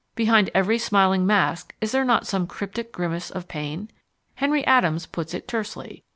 Behind every smiling mask is there not some cryptic grimace of pain? Henry Adams puts it tersely.